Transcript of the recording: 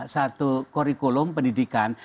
satu kurikulum pendidikan